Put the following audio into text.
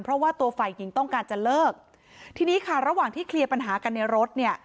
เพราะว่าตัวฝ่ายหญิงต้องการจะเลิกทีนี้ค่ะระหว่างที่เคลียร์ปัญหากันในรถเนี่ย